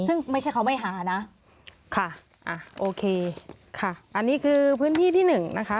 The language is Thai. ซึ่งไม่ใช่เขาไม่หานะค่ะอ่ะโอเคค่ะอันนี้คือพื้นที่ที่หนึ่งนะคะ